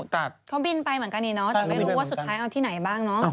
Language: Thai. เขาบินไปเหมือนกันนี่เนาะแต่ไม่รู้ว่าสุดท้ายเอาที่ไหนบ้างเนาะ